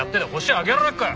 挙げられっかよ！